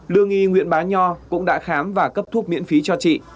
lương y nguyễn bá nho cũng đã khám và cấp thuốc miễn phí cho chị